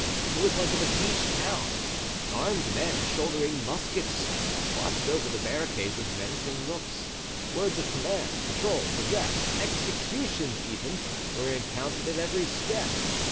It was like a besieged town. Armed men, shouldering muskets, watched over the barricades with menacing looks; words of command, patrols, arrests, executions, even, were encountered at every step.